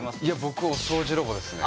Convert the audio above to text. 僕お掃除ロボですね